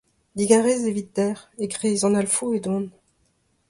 Digarez evit dec'h ! E kreiz un alfo edon.